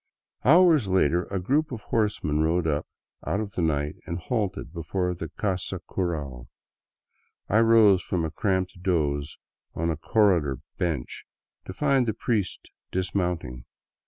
Hours later a group of horsemen rode up out of the night and halted before the casa cural. I rose from a cramped doze on a cor redor bench to find the priest dismounting.